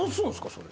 それ。